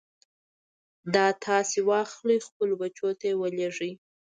دا تاسې واخلئ خپلو بچو ته يې ولېږئ.